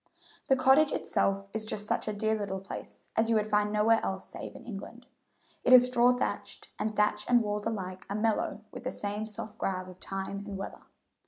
The cottage itself is just such a dear little place as you find nowhere else save in England. It is straw thatched, and thatch and walls alike are mellow with the same soft grav of time and weather.